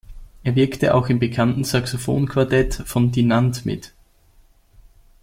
Er wirkte auch im bekannten Saxophon-Quartett von Dinant mit.